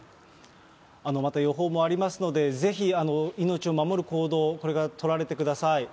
また予報もありますので、ぜひ命を守る行動を、これから取られてください。